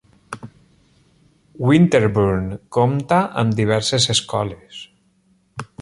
Winterbourne compta amb diverses escoles.